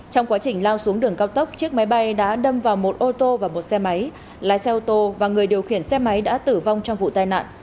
trong quá trình lao xuống đường cao tốc chiếc máy bay đã đâm vào một ô tô và một xe máy lái xe ô tô và người điều khiển xe máy đã tử vong trong vụ tai nạn